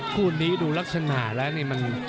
คู่นี้ดูลักษณะแล้วนี่มัน